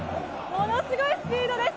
ものすごいスピードです。